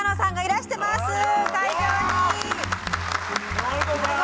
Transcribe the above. ありがとうございます。